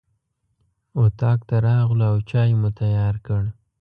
اطاق ته راغلو او چای مو تیار کړ.